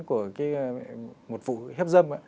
của một vụ hếp dâm